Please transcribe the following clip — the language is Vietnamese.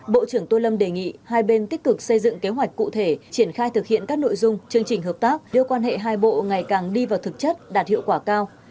bộ trưởng tô lâm đề nghị hai bên tích cực xây dựng kế hoạch cụ thể triển khai thực hiện các nội dung chương trình hợp tác đưa quan hệ hai bộ ngày càng đi vào thực chất đạt hiệu quả cao